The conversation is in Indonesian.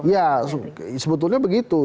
ya sebetulnya begitu